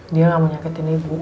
dia gak mau nyakitin ibu